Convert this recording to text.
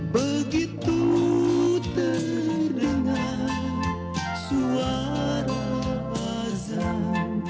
begitu terdengar suara azan